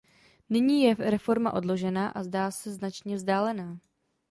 Nyní je reforma odložena a zdá se značně vzdálená.